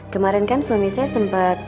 kemarin kan suami saya sempat